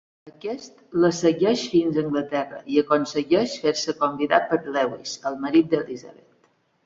Aquest la segueix fins a Anglaterra i aconsegueix fer-se convidar per Lewis, el marit d'Elizabeth.